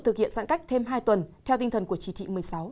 thực hiện giãn cách thêm hai tuần theo tinh thần của chỉ thị một mươi sáu